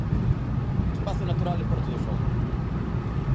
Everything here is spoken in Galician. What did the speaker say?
Espazo natural en Porto do Son.